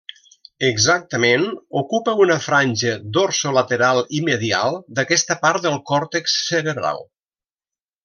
Exactament ocupa una franja dorsolateral i medial d'aquesta part del còrtex cerebral.